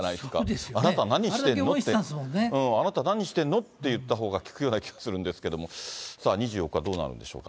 あなた何してるの？って、あなた何してるの？って言ったほうが効くような気がするんですけれども、さあ２４日、どうなるでしょうか。